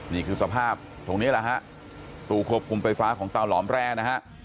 นี่คือสภาพตรงนี้แหละฮะตู้ควบคุมไฟฟ้าของเตาหลอมแร่นะฮะ